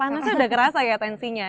panasnya udah kerasa ya tensinya